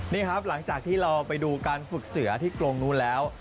นี่ครับหลังจากที่เราไปดูการฝึกเสือที่กรงนู้นแล้ว